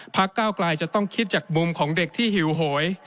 ก้าวกลายจะต้องคิดจากมุมของเด็กที่หิวโหย